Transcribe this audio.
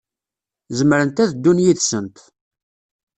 Zemrent ad ddun yid-sent.